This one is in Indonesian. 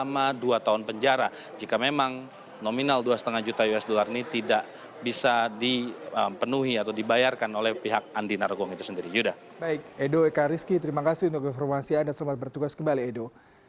pada saat ini ada juga poin menarik yudha ini terkait dengan penyelesaian masalah dari terdakwa lainnya yaitu adalah ketua dpr ri yang kemarin setia novanto